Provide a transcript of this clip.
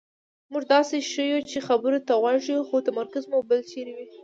مونږ داسې ښیو چې خبرو ته غوږ یو خو تمرکز مو بل چېرې وي.